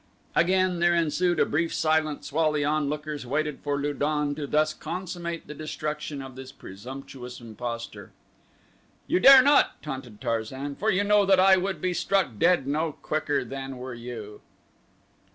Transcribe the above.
Again there ensued a brief silence while the onlookers waited for Lu don to thus consummate the destruction of this presumptuous impostor. "You dare not," taunted Tarzan, "for you know that I would be struck dead no quicker than were you."